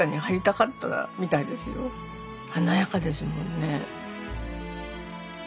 華やかですもんね。